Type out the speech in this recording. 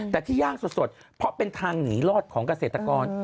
แต่ที่ย่างสดเพราะเป็นทางหนีรอดของเกษตรกร